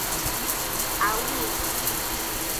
Awi.